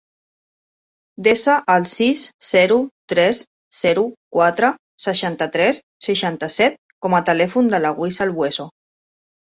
Desa el sis, zero, tres, zero, quatre, seixanta-tres, seixanta-set com a telèfon de la Wissal Bueso.